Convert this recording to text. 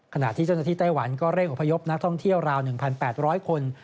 ขณะที่เจ้าหน้าที่ไต้หวันก็เร่งอพยพนักท่องเที่ยวราว๑๘๐๐คน